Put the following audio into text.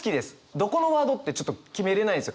どこのワードってちょっと決めれないんですよ。